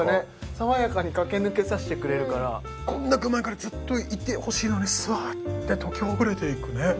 爽やかに駆け抜けさしてくれるからこんだけうまいからずっといてほしいのにサって解きほぐれていくね